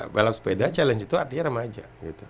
balap sepeda challenge itu artinya remaja